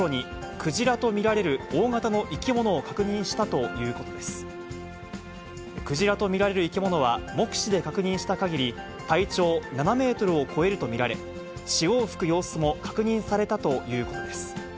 クジラと見られる生き物は、目視で確認したかぎり、体長７メートルを超えると見られ、潮を吹く様子も確認されたということです。